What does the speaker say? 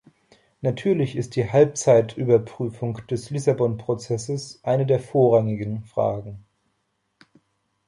Natürlich ist die Halbzeitüberprüfung des Lissabon-Prozesses eine der vorrangigen Fragen.